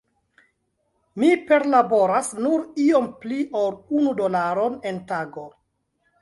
Mi perlaboras nur iom pli ol unu dolaron en tago.